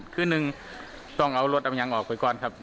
คืนนึงต้องเอารถออกไปก่อนครับ